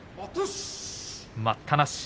待ったなし。